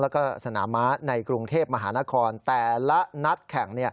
แล้วก็สนามม้าในกรุงเทพมหานครแต่ละนัดแข่ง